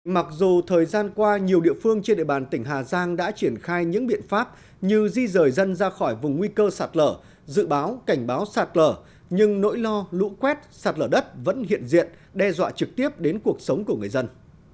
mặc dù thời gian qua nhiều địa phương trên địa bàn tỉnh hà giang đã triển khai những biện pháp như di rời dân ra khỏi vùng nguy cơ sạt lở dự báo cảnh báo sạt lở nhưng nỗi lo lũ quét sạt lở đất vẫn hiện diện đe dọa trực tiếp đến cuộc sống của người dân